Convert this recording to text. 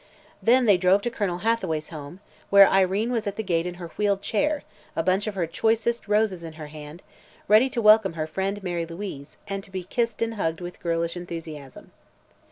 Then they drove to Colonel Hathaway's home, where Irene was at the gate in her wheeled chair, a bunch of her choicest roses in her hand, ready to welcome her friend Mary Louise and to be kissed and hugged with girlish enthusiasm.